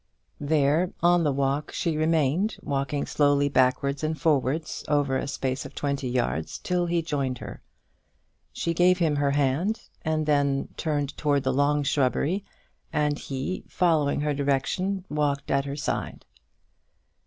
There on the walk she remained, walking slowly backwards and forwards over a space of twenty yards, till he joined her. She gave him her hand, and then turned towards the long shrubbery, and he, following her direction, walked at her side.